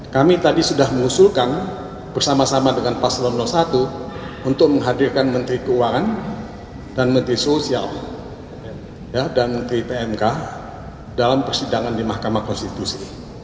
kami tadi sudah mengusulkan bersama sama dengan paslon satu untuk menghadirkan menteri keuangan dan menteri sosial dan di pmk dalam persidangan di mahkamah konstitusi